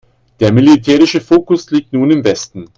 Der militärische Fokus liegt nun im Westen.